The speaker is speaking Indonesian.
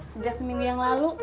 sejak seminggu yang lalu